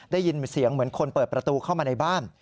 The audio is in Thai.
ได้ยินเสียงเหมือนคนเปิดประตูเข้ามาในบ้าน